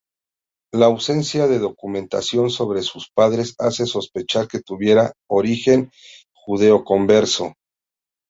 La ausencia de documentación sobre sus padres hace sospechar que tuviera origen judeoconverso.